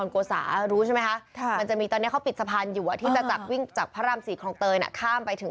เขาปิดถนนทำสะพานอยู่ตรงกลาง